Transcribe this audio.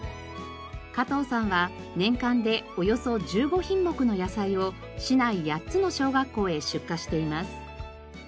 加藤さんは年間でおよそ１５品目の野菜を市内８つの小学校へ出荷しています。